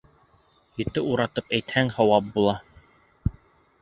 Ете уратып әйтһәң һауап була.